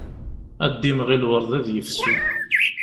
Ad d-imɣi lweṛd ad yefsu.